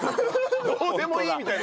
どうでもいいみたいなね。